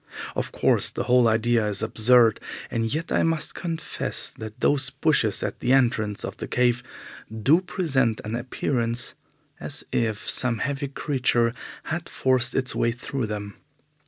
Of course, the whole idea is absurd, and yet I must confess that those bushes at the entrance of the cave do present an appearance as if some heavy creature had forced its way through them.